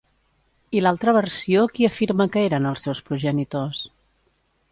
I l'altra versió, qui afirma que eren els seus progenitors?